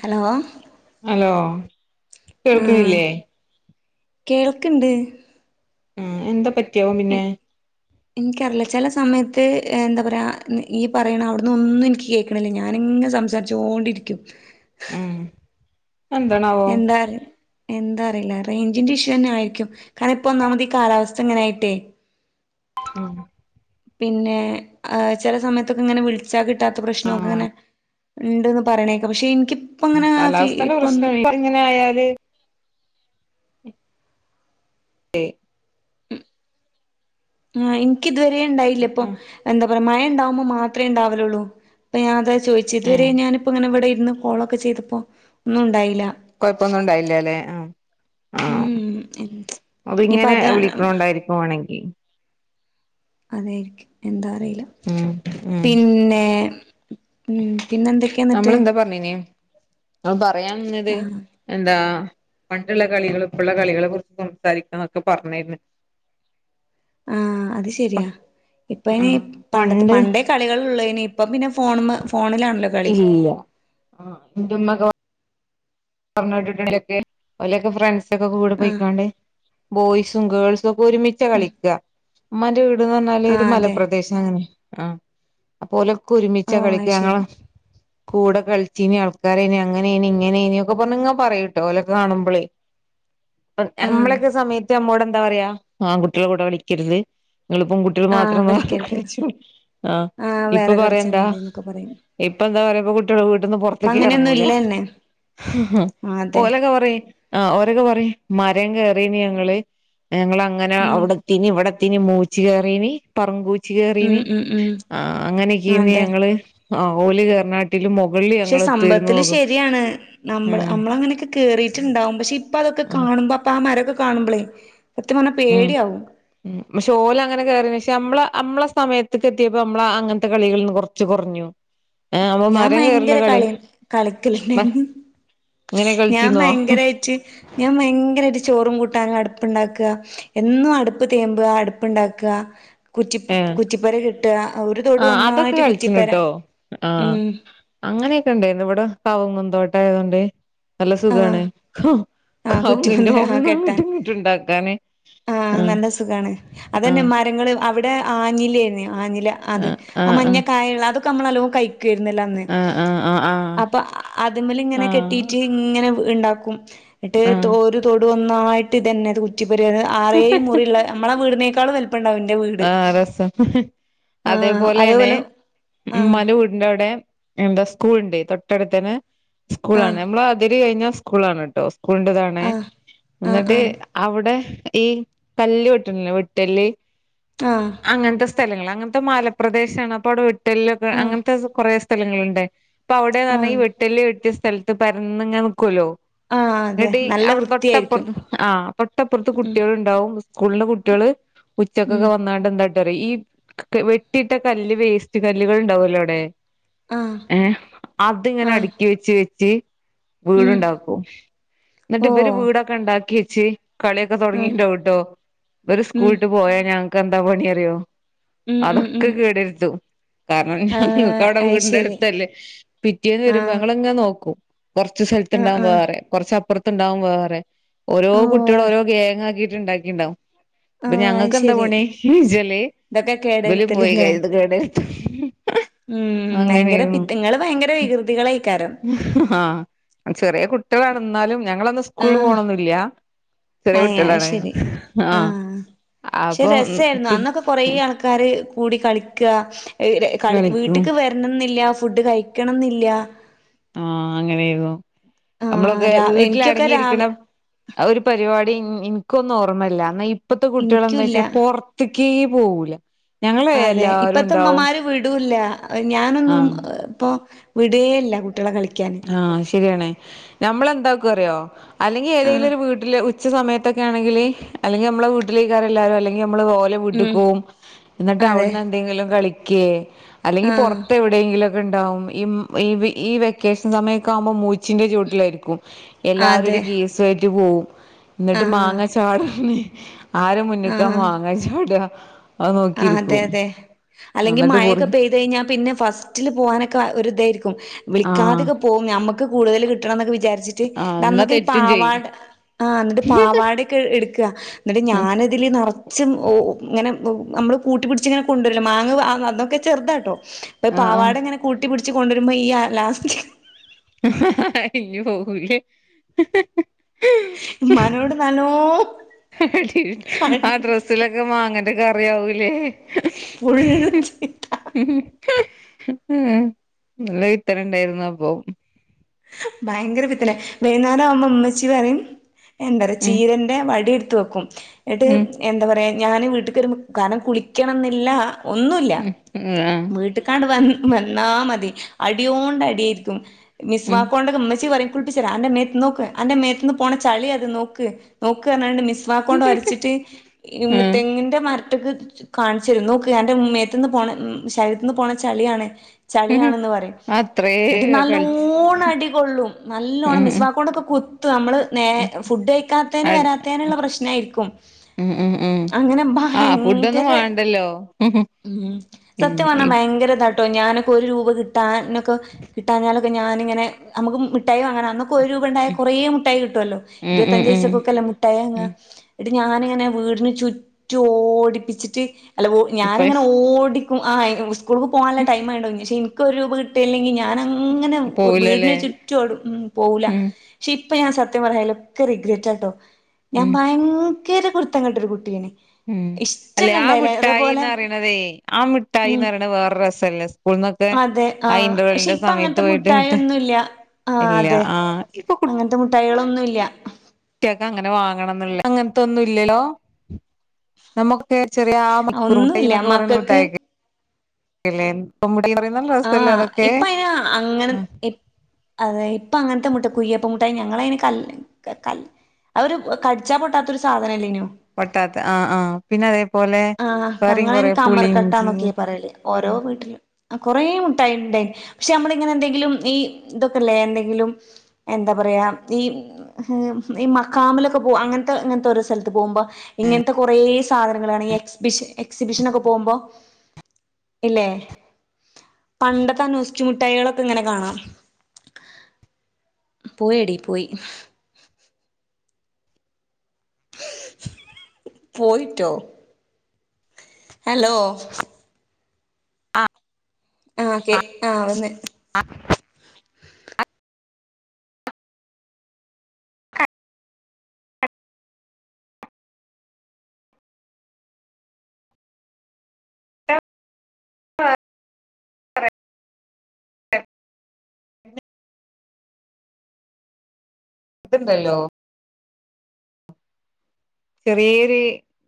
Hello hello കേൾക്കണില്ലേ കേൾക്കിണ്ട് ഉം എന്താ പറ്റി പറ്റിയാവും പിന്നെ ഇൻക്കറിയൂല ചെല സമയത്ത് എന്താ പറയാ ഈ പറയണ അവിടുന്ന് ഒന്നും എനിക്ക് കേക്കണില്ല ഞാനിങ്ങനെ സംസാരിച്ചോണ്ടിരിക്കും. അതെന്താണാവോ എന്താ എന്താ അറിയില്ല റേഞ്ചിന്റെ ഇഷ്യു തന്നെ ആയിരിക്കും കാരണം ഇപ്പം ഒന്നാമത് ഈ കാലാവസ്ഥ ഇങ്ങനെയായിട്ടേ ഉം പിന്നെ ആഹ് ചെല സമയത്തൊക്കെ ഇങ്ങനെ വിളിച്ചാ കിട്ട ട്ടാത്ത പ്രശ്നൊക്കെ അങ്ങനെ ആഹ് ഇണ്ട്ന്ന് പറയണ കേക്കാം പക്ഷെ ഇനിക്ക് കാലാവസ്ഥേടെ പ്രശ്നം [unintelligible] ആയാല് ആ എനിക്കിത് വരേയും ഉണ്ടായില്ല ഇപ്പം ആഹ് എന്താ മയയുണ്ടാവുമ്പോ മാത്രേ ഇണ്ടാവലുള്ളൂ ഇപ്പൊ [unintelligible] ചോദിച്ച് ആഹ് ഇതുവരെയും ഞാനിപ്പം ഇങ്ങനെ ഇവിടെ ഇന്ന് കോൾ ഒക്കെ ചെയ്തപ്പോ ഒന്നും ഉണ്ടായില്ല കൊയപ്പൊന്നും ഉണ്ടായില്ലാല്ലേ ആ ആ ഉം അത് ഇനിയിപ്പോ ഇങ്ങനെ അതാ വിളിക്കണോണ്ടായിരിക്കു വേണെങ്കി അതായിരിക്കും എന്താ അറിയില്ല ഉം ഉം പിന്നെ ഉം പിന്നെ എന്തൊക്കെയാ എന്നിട്ട് നമ്മളെന്താ പറഞ്ഞീന് [unintelligible] പറയാൻ വന്നത് ആഹ് എന്താ? പണ്ടുള്ള കളികൾ ഇപ്പുള്ള കളികളെ കുറിച്ച് സംസാരിക്കാം എന്നൊക്കെ പറഞ്ഞായിരുന്നു. ആ അത് ശരിയാ ഇപ്പ ഇനി ആഹ് പണ്ടത്തെ പണ്ട് പണ്ടെ കളികൾളുള്ളെയ് ഇപ്പ പിന്നെ ഫോൺമെ ഇല്ല എന്റുമ്മാ പറഞ്ഞ് വിട്ടിട്ടുണ്ടൊക്കെ ഓലൊക്കെ ഫ്രണ്ട്സ് ഒക്കെ കൂടെ ആഹ് പോയിക്കാണ്ട് ബോയ്സ് ഗേൾസും ഒക്കെ ഒരുമിച്ച കളിക്ക ഉമ്മാന്റെ വിട്ട് വീടെന്ന് പറഞ്ഞാല് ആഹ് അതെ മലപ്രദേശമാണ് ആ അപ്പോല് ഒരുമിച്ചാ ഓഹ് കളിക്ക അത് ഞങ്ങളെ ശരി കൂടെ കളിച്ചീനി ആൾക്കാരയ്ന് അങ്ങനെയാന് ഇങ്ങനെയ്ന് ഒക്കെപറഞ്ഞിങ്ങനെ പറയൂട്ടോ ഓലൊക്കെ കാണുമ്പളേ ആഹ് നമ്മളൊക്കെ സമയത്ത് നമ്മോട് എന്താ പറയാ ആൺ കുട്ടികളെ കൂടെ കളിക്കരുത് നിങ്ങളിപ്പം കുട്ടികൾ ആഹ് മാത്രം ആ കളിക്കരുത് കളിചോളി ആ ആഹ് ഇപ്പൊ വേറെ പറയാ കളിച്ചാൽ എന്താ മതി എന്നൊക്കെ പറയും ഇപ്പ എന്താ പറയാ [unintelligible] വീട്ടിന്ന് പുറത്തേക്ക് അങ്ങനെയൊന്നും ഇറങ്ങൂല ഇല്ലന്നെ ആഹ് അതെ ഓലൊക്കെ പറയും ആ ഓരൊക്കെ പറയും മരം കേറീയ്ന് ഞങ്ങള് ഞങ്ങള് അങ്ങനെ ഉം അവിടെത്തിന് ഇവിടെ ത്തിന് മൂച്ചി കയറീന് പറങ്കോ- ഉം കയറീന് ഉം ഉം ആ അങ്ങനെയൊക്കെയായിന്ന് അതെ ഞങ്ങള് ആഹ ഓലി കേർനാ പക്ഷെ സമ്പത്തില് ശരിയാണ് നമ്മള് ഉം നമ്മളങ്ങനൊക്കെ കയറിയിട്ടുണ്ടാവും പക്ഷേ ഇപ്പോ ഇപ്പ അതൊക്കെ ഉം കാണുമ്പോ ഇപ്പ ആ മരൊക്കെ കാണുമ്പളെ ഉം പക്ഷെ ഓലങ്ങനെ കേറിയതിനു ശേഷം പനമ്മളെ നമ്മളെ സമയത്തൊക്കെ എത്തിയപ്പോ നമ്മളെ അങ്ങനത്തെ കളികളിന്ന് കൊറച്ച് കുറഞ്ഞു ഞാൻ ഭയങ്കര കളി കളിക്കലണ്ടായിരുന്നു ഇങ്ങനെ ഞാൻ കളിച്ചീന്നോ ഭയങ്കരായിട്ട് ഞാൻ ഭയങ്കരായിട്ട് ചോറും കൂട്ടാനും അടുപ്പുണ്ടാക്കുക എന്നും അടുപ്പ് തേമ്പുക അടുപ്പുണ്ടാക്കുക കുറ്റി ഏ കുറ്റിപ്പുര കെട്ടുക ഒരു തൊട് ഒന്നായിട്ട് കുറ്റിപ്പെര ആഹ അങ്ങനെയൊക്കെ ഉണ്ടായിന്ന് ഇവിടെ കാവങ്ങും തോട്ട ആതുകൊണ്ട് നല്ല ആഹ് സുഖാണ് ആഹ് കവങ്ങിന്റെ കുറ്റിപ്പന്ത് ആഹ് മുകളൾ കെട്ടാൻ നങ്ങിട്ടും ഇങ്ങിട്ടുണ്ടാക്കാന് ആഹ് ആ നല്ല ആഹ അടെ ആഞ്ഞിലായുന്ന ആഞ്ഞില അത് ആ മഞ്ഞക്കായ ഉുള്ള അത് കമ്മളും കൈ ആ ആ ആ അ ആ അ ഇങ്ങനെ കെട്ട് ആ ഉണ്ടാക്കും ആ എന്നട്ട് ഒരു തൊടും നന്നായിട്ട് തന്നെറ്റി യ ആേ മുറിള്ള നമ്മുടെ വീടിന [unintelligible] ആ രസം ആഹ് അതേപോലൊണ് അതേപോലെ ആഹ് ഉമന്റെ വീടിന്റവിടെ എന്താ സ്കൂൾ ഇണ്ട് തൊട്ടടുത്തന്ന സ്കൂളണ് ആഹ് നമ്മള് അതിര് കഴിഞ്ഞ സ്കൂള ആാണ് ട്ടോ കൊണ്ടതാണെ ആഹ് ആഹ് എന്നിട്ട് അവിടെ ഈ കല്ല് വട്ടണില്ലെ വട്ടല് ആ സ്ഥലങ്ങൾ അങ്ങനത്തെ മലപ്രദേശണ് അപ്പോ അവിടെ വെ ട്ടെല്ലൊക്കെ ആഹ് അങ്ങനത്തെ കൊറേ സ്ഥലങ്ങളുണ്ട് പവടെന്നറഞ ഈ ആഹ് വെട്ടല്ല് വെട് സ്ഥലത്ത് പരുന്നങ്ങെ നിൽക്കുവല്ലോ ആഹ് അതെ ട്ടി നല്ല അവിടെ വൃത്തിയായിരിക്കും തൊട്ടപ്പുറത്ത് ആ് തൊട്ടപ്പുറത്ത് ഉം കുട്ടികൾ ഉണ്ടാവും സ്കൂളെ കുട്ടികള് ഉച്ച ഉം ഒക്കെക്കവന്നണ്ട എ [unintelligible] ഈ വെട്ടിയിട്ട കല്ല് വേസ്റ്റ് കല്ലുകൾ ഉണ്ടാവല്ലോ അവിടെ? ആഹ് ഏഹ് അതിങ്ങനെ ആഹ് അടുക്കി വെച്ച് വെ ച്ച് ഉം വീടുണ്ടാക്കും എന്നിട്ട് ഇവര് ഓഹ് വീടൊക്കെ ഇണ്ടാക്കി [unintelligible] കളിയൊക്കെ ഉം തുടങ്ങിണ്ടാവും ട്ടോ ഇവര് ഉം സ്കൂളിട്ട് പോ ഞങ്ങക്ക് എന്താ പണി അറിയോ? ഉം ഉം അതൊക്കെ ഉം കേടരുത്തും. കാരണം ഞങ്ങക്ക് ആഹ് അവിടെ വീടിന്റെ അയ്ശരി അടുത്തല്ലേ പിറ്റേന്ന് വരുമ്പോ ആഹ് ഞങ്ങളിങ്ങനെ നോക്കും. കുറച്ച് ആഹ് സ്ഥലത്തുണ്ടാവും ആഹ് വേറെ കുറച്ചപ്പുറത്ത് ത്തുണ്ടാവും വേറെ. ഓരോ കുട്ടികളെ ഓഹ് ഓരോ ഗേങ്ങാക്കി റ്റിണ്ടാക്കിണ്ടാവും. ആ ക്ക് എന്താ പണി വെച്ചാല് ഇതൊക്കെ പോയി കേടരുത്തലല്ലേ [unintelligible] ഉം ഭയങ്കര അങ്ങനെനും പിത്തങ്ങള് ഭയങ്കര വികൃതികളായിക്കാരം ആ ചെറിയ കു ഇട്ട് കടന്നാലും ഞങ്ങളന്ന് സ്കൂളിൽ ആഹ് പോണൊന്നില്ലാ ചെറിയ അയ് കുട്ടികളാണ്, ആ ക്ഷേ രസായിരുന്നു അന്നൊക്കെ കൊറെ ആൾക്കാര് കൂടി കളിക്കാ കളി കളിക്കും വീട്ട്ക്ക് വരണന്നില്ല. ഫുഡ് കഴിക്കണന്നില്ല ആ അങ്ങനെയായിരുന്നു. ആഹ് നമ്മളൊക്കെ രാ വീട്ടിൽ എനിക്കൊക്കെ രാവ് അടങ്ങിയിരിക്കണം ഒരു പരിപാടി എനിക്കൊന്നും ഓർമ്മല്ല എന്നാ ഇപ്പത്തെ കുട്ടികളെന്താ ഇനിക്കുല്ല വെച്ചാൽ പുറത്ത് ക്കേ പോകൂല. ഞങ്ങള് അതെ എല്ലാരും ഇപ്പത്തെ ഉണ്ടാവും ഉമ്മമാര് വിടൂല്ലാ ഞാനൊന്നും ഇപ്പൊ വിടേയില്ല കു ആ ശരിയണ് നമ്മളെ എന്താക്കോ അറിയോ? അല്ലെങ്കിൽ ഏതേലും ആഹ് ഒരു വീട്ടില് ഉച്ച സമയത്തൊക്കെ ആണെങ്കിലി അല്ലെങ്കിൽ നമ്മള വീട്ടിലേക്കാരെല്ലാവരും അല്ലെങ്കി മ്മൾ ഓലേ വീട്ടിക്ക് ഉം പോകും എന്നിട്ട് അതെ അവിടുന്നെന്തെങ്കിലും കളി ക്കേ അല്ലെങ്കിൽ ആഹ് പുറത്ത് എവിടെയെങ്കിലും ഉണ്ടാവും ഈ ഇ ഇ വെ ക്കേഷൻ സമയൊക്കെ ആകുമ്പോ മൂച്ചിന്റെ ചുവട്ടിലായിരിക്കും. എല്ലാവരും അതെ ഒരു കേസ് ട്ട് പോകും. എന്നിട്ട് ആഹ് മാങ്ങ ചാട ആര് മുന്നിക്കാ മാങ്ങ ചാടുകാ ആ അതെ അതെ അല്ലെങ്കി എന്നിട്ട് കുറി മഴയൊക്കെ പെയ്ത് കഴിഞ്ഞാ പിന്നെ ഫസ്റ്റില് പോകാനൊക്കെ ഒരു ഇതായിരിക്കും ആഹ് വിളിക്കാതൊക്കെ പോകും നമ്മക്ക് കൂടുതല് കി കിട്ടണോന്നൊക്കെ വിചാരിച്ച് ആഹ് എന്നാ അന്നൊക്കെ ഈ തെറ്റും ചെയ്യും പാവാട ആ എന്നിട്ട് പാവാടൊക്കെ എടുക്കുകാ എന്നിട്ട് ആഹ് ഞാനതില് നെറച്ച് ച്ചും [unintelligible] ഇങ്ങനെ [unintelligible] നമ്മള് കൂട്ടി പിടിച്ചിങ്ങനെ കൊണ്ടുവരോല്ലോ മാങ്ങങ് അന്നൊക്കെ ചെറുതാട്ടോ അപ്പൊ ആഹ് പാവാട ഇങ്ങനെ കൂട്ടി പിടി [unintelligible] കൊണ്ടുവരുമ്പോ ഈ ലാസ്റ്റ് അയ്യോ [unintelligible] ഇമ്മാനോട് നല്ലോ അടി ആ ഡ്രസ്സിലൊക്കെ മാങ്ങേൻ്റെ കറ കറയാവൂല്ലേ ഫുൾ ചീത്ത ഉം നല്ല [unintelligible] ഉണ്ടായിരുന്നു അപ്പൊ ഭയങ്കര പിത്തനേ വൈന്നേരം ആകുമ്പോ ഇമ്മച്ചി പറയും [unintelligible] ഉം ചീരേന്റെ വടിയെടുത്ത് [unintelligible] എട് ഉം എന്താ പറയാ ഞാന് വീട്ടിക്ക് കാരണം കുളിക്കണംന്നില്ല ഒന്നൂല്ല ഉം ആഹ് വീട്ടിക്കാണ്ട് വന്ന് വന്നാ മതി അടിയോണ്ട് അടിയാരിക്കും ഉം വാക്കോണ്ട് ഇമ്മച്ചി പറയും കുളിപ്പിച്ച് തരാ അൻ്റെ മേത്ത് നോക്ക് അൻ്റെ മേത്തിന്ന് പോണ ചളിയത് നോക്ക് [unintelligible] വാക്കോണ്ട് ഒരച്ചിട്ട് ആഹ് തെങ്ങിന്റെ മ [unintelligible] കാണിച്ച് തരും നോക്ക് എന്റെ മേത്തിന്ന് പോണ ശരീരത്തിൽ നിന്ന് പോണ ചളിയാണ് ചളിയാണെന്ന് പറയും അത്രേ എന്നിട്ട് കളിച്ച് നല്ലോണ അടികൊള്ളും നല്ലോണ്ണം ഉം മിസ്വാക്കൊണ്ടൊക്കെ [unintelligible] നമ്മള് നേ ഉം ഫുഡ് കഴിക്കാത്തേന് വരാത്തേനുള്ള പ്രശ്നായിരിക്കും ഉം ഉം ഉം അങ്ങനെ ആഹ് ഫുഡൊന്നും ഭയങ്കര വേണ്ടല്ലോ ഉം മം സത്യം പറഞ്ഞാല് ഉം ഭയങ്കര കേട്ടോ ഞാനൊക്കെ ഒരു രൂപ കിട്ടാനൊക്കെ കിട്ടാഞ്ഞാലൊക്കെ ഞാനിങ്ങനെ നമുക്ക് മുട്ടും അങ്ങനെ അന്നൊക്കെ ഒരു രൂപ ഉണ്ടായ കൊറേ മുട്ടായി കിട്ടുമല്ലോ ഉം ഇരുപത്തഞ്ച ഉം വയസക്കൊക്കെ ഉം അല്ലേ മുട്ടായ അങ്ങങ് എന്നട്ട് ഞാനിങ്ങനെ വീടിന് ചുറ്റും ഓടിപ്പിച്ചിട്ട് അല്ല ഓ ഇപ്പ ഞാനിങ്ങനെ ഓടി ക്കും ആ [unintelligible] ഉക്കൂൾക്ക് പോവാല്ലേ ടൈമായോണ്ടാ തോന്ന് പശ്ശേ ഇൻ ഇക്ക് ഒരുരൂപ കിട്ടി അല്ലെങ്ങി ഞാ ഞാനങ്ങനെ ഉ വീട്ന് പോവൂലല്ലേ ചുറ്റും ഓടും ഉം പോവുല ഉം ക്ഷെ ഇ പ്പ ഞാൻ സത്യം പറഞ്ഞാല് ഒത്തിരി റീഗ്രെറ്റ് ആട്ടോ ഞാൻ ഉം ഭയങ്കര കുര് ത്തം കെട്ടൊരു കുട്യെയ്‌ന് ഉം അല്ലെ ആ മിഠായിന്ന്റയണതേ ആ ഉം മിഠായിന്ന്റയണ വേറെ രസല്ലേ സ്കൂൾന്നൊക്കെ അതെ ആ ഇന്റർവെൽന്റെ സമയത്ത് പോയിട്ട് മിഠ ആ അതെ അങ്ങനത്തെ മുട്ടായികളൊന്നുംല് ല്ല്യ കുട്ട്യേക്ക് അങ്ങനെ വാങ്ങണംന്ന്ള്ള അങ്ങനത്തൊന്നും ഇല്ല്യലോ നമ്മ തെ ചെറിയ ആ മണിക്കൂർ ഒന്നുല്ല മുട്ടായിന്നൊക്കെ പറയണ മക്കൾക്ക് മുട്ടായൊക്കെ ഇല്ലേ [unintelligible] ആഹ് ഇപ്പ അയി അങ്ങനെ ആ അതെ ഇ ഇപ്പൊ അങ്ങനത്തെ മുട്ട കുയ്യപ്പ മുട്ടായി ഞങ്ങള അയ്ന് കല്ല് കൽ അവ ഒരു കടിച്ചാ പൊട്ടാത്ത ഒരു സാധനല്ലേന്യോ പൊട്ടാത്ത ആഹ് ആഹ് പിന്നെ അതേപോലെ ആഹ് വേറി ഞങ്ങളയിന് കൊറെ പുളിഞ്ചിം കമർക്കട്ടാന്നൊക്കെ പറയല് ഓരോ വീട്ടിലും അ കൊറേ മുട്ടായി ഉണ്ടായിന് പക്ഷെ നമ്മള ഇങ്ങനെ എന്തെങ്കിലും ഈ ഇതൊക്കെല്ലേ എന്തെങ്കിലും എന്താ പറയാ ഈ ഈ മക്കാമിലൊക്കെ പോ അങ്ങനത്തെ ഇങ്ങനത്തെ ഒരു സ്ഥലത്ത് പോകുമ്പോ ഇങ്ങനത്തെ കൊറെ സാധനങ്ങൾ കാണ ഈ എക്സിബിഷ എക്സിബിഷനൊക്കെ പോകുമ്പോ ഇല്ലേ പണ്ടത്തെ നോസ്റ്റുമുട്ടായികളൊക്കെ ഇങ്ങനെ കാണാം പോയടി പോയി പോയിട്ടോ ഹലോ ആ ആ ഓക്കെ ആഹ് വന്ന് [unintelligible] ഇത്ണ്ടല്ലോ ചെറ്യേര്